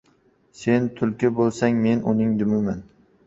• Sen tulki bo‘lsang, men uning dumiman.